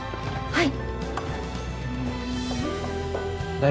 はい。